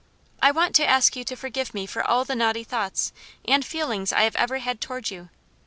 I want to ask you to forgive me for all the naughty thoughts and feelings I have ever had towards you.